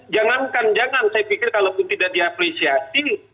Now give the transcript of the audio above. jangankan jangan saya pikir kalau pun tidak diafrisiasi